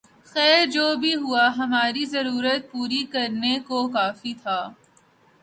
خیر جو بھی ہو ، ہماری ضرورت پوری کرنے کو کافی تھا